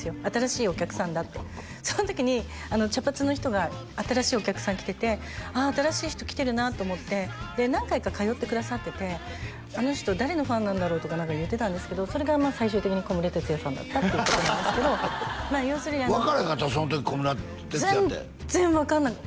新しいお客さんだってその時に茶髪の人が新しいお客さん来ててああ新しい人来てるなと思ってで何回か通ってくださっててあの人誰のファンなんだろうとか言ってたんですけどそれが最終的に小室哲哉さんだったっていうことなんですけど分から